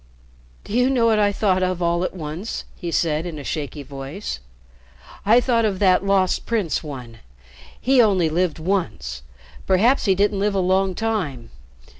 "Do you know what I thought of, all at once?" he said in a shaky voice. "I thought of that 'Lost Prince' one. He only lived once. Perhaps he didn't live a long time.